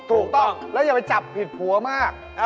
ถูกต้องแล้วอย่าไปจับผิดผัวมาก